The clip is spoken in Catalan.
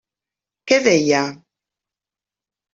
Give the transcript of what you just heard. Què deia?